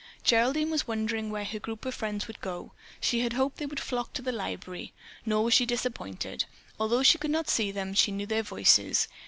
Geraldine was wondering where her group of friends would go. She had hoped they would flock to the library, nor was she disappointed. Although she could not see them, she knew their voices.